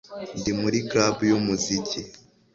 Ndi muri club yumuziki